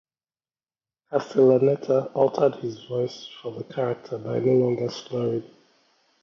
Castellaneta altered his voice for the character by no longer slurring.